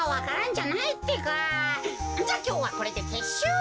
じゃきょうはこれでてっしゅう。